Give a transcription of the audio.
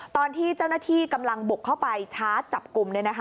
ตอนที่เจ้าหน้าที่กำลังบุกเข้าไปชาร์จจับกลุ่ม